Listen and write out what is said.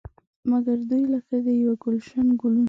مګر دوی لکه د یو ګلش ګلونه.